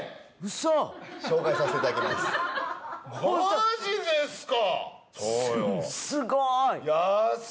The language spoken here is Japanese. マジですか！？